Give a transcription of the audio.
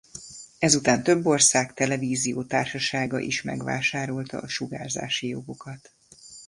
Ezután több ország televíziótársasága is megvásárolta a sugárzási jogokat.